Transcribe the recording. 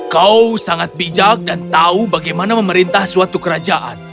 kau sangat bijak dan tahu bagaimana memerintah suatu kerajaan